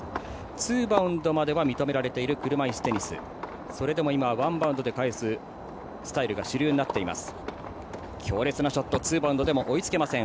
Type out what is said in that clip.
ツーバウンドまでは認められているそれでもワンバウンドで返すスタイルが主流になっています。